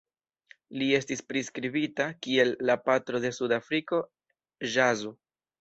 Li estis priskribita kiel "la patro de sudafrika ĵazo.